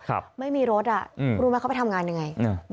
ไม่มีรถอ่ะอืมรู้ไหมเขาไปทำงานยังไงอ่า